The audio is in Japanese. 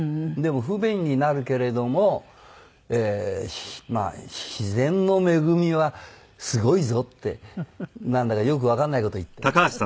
でも不便になるけれども自然の恵みはすごいぞってなんだかよくわかんない事言って。